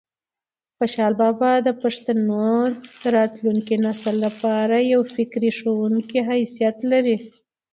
خوشحال بابا د پښتنو د راتلونکي نسل لپاره د یو فکري ښوونکي حیثیت لري.